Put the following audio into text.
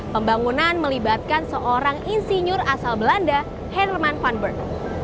pembangunan melibatkan seorang insinyur asal belanda herman van berg